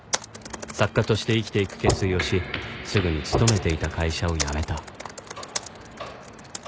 作家として生きていく決意をしすぐに勤めていた会社を辞めた